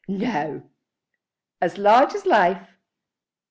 "No?" "As large as life."